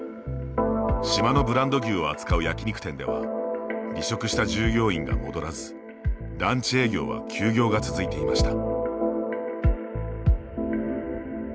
島のブランド牛を扱う焼き肉店では離職した従業員が戻らずランチ営業は休業が続いていました。